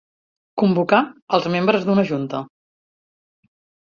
Convocar els membres d'una junta.